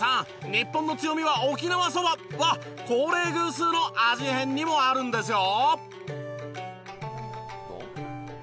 「日本の強みは沖縄そば！」はコーレーグースの味変にもあるんですよ！